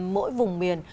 mỗi vùng miền